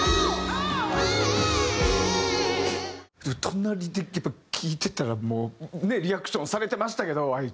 隣でやっぱり聴いてたらもうねリアクションされてましたけどＡＩちゃんも。